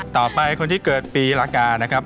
ต่อไปคนที่เกิดปีหลักกานะครับ